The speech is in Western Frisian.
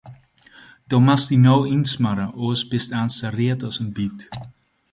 Do moatst dy no ynsmarre, oars bist aanst sa read as in byt.